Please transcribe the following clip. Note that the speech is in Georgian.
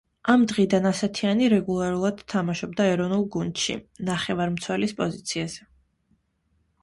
ამ დღიდან ასათიანი რეგულარულად თამაშობდა ეროვნულ გუნდში, ნახევარმცველის პოზიციაზე.